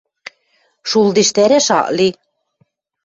— Шулдештӓрӓш ак ли.